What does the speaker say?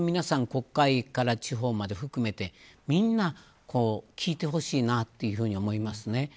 国会から地方まで含めてみんな聞いてほしいなと思います。